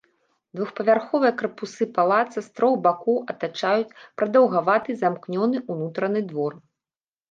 Двухпавярховыя карпусы палаца з трох бакоў атачаюць прадаўгаваты замкнёны ўнутраны двор.